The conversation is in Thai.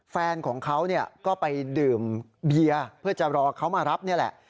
แฟนของเขาก็ไปดื่มเบียร์เพื่อจะรอเขามารับนี่แหละ